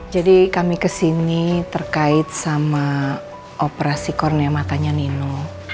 jadi kami kesini terkait sama operasi kornea matanya nino